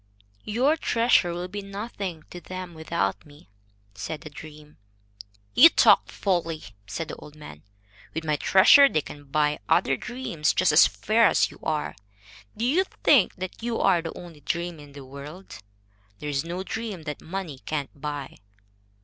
"Your treasure will be nothing to them without me," said the dream. "You talk folly," said the old man. "With my treasure they can buy other dreams just as fair as you are. Do you think that you are the only dream in the world? There is no dream that money cannot buy."